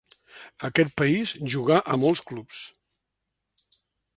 A aquest país jugà a molts clubs.